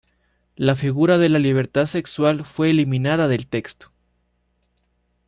La figura de la "libertad sexual" fue eliminada del texto.